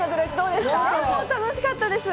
楽しかったです。